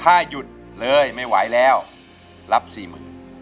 ถ้าหยุดเลยไม่ไหวแล้วรับสี่หมื่น